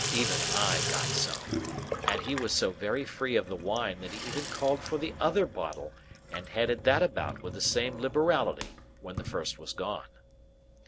Even I got some. And he was so very free of the wine that he even called for the other bottle, and handed that about with the same liberality, when the first was gone.